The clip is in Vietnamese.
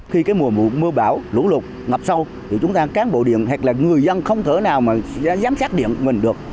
khi cái mùa mưa bão lũ lụt ngập sâu thì chúng ta cán bộ điện hoặc là người dân không thể nào mà giám sát điện mình được